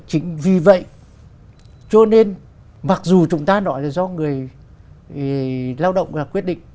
chính vì vậy cho nên mặc dù chúng ta nói là do người lao động quyết định